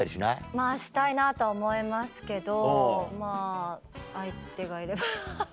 まぁしたいなとは思いますけどまぁ相手がいれば。